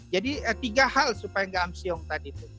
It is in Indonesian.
jadi tiga hal supaya enggak amsyong tadi